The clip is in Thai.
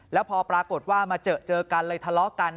แล้วพอปรากฏว่ามาเจอกันเลยทะเลาะกัน